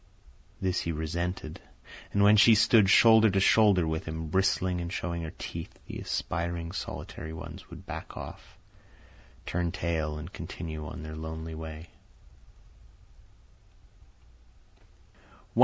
This he resented, and when she stood shoulder to shoulder with him, bristling and showing her teeth, the aspiring solitary ones would back off, turn tail, and continue on their lonely way.